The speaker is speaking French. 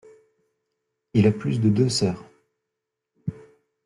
Il a plus de deux sœurs.